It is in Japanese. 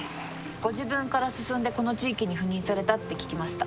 ご自分から進んでこの地域に赴任されたって聞きました。